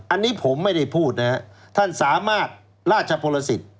อันนี้ผมไม่ได้พูดท่านสามารถร่าชประสิทธิ์